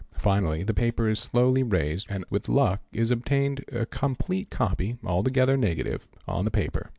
Finally the paper is slowly raised and with luck is obtained a complete copy, altogether negative, on the paper.